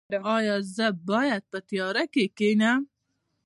ایا زه باید په تیاره کې کینم؟